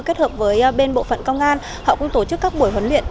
kết hợp với bên bộ phận công an họ cũng tổ chức các buổi huấn luyện